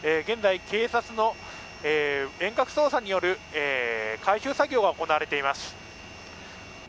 現在、警察の遠隔操作による回収作業が行われています。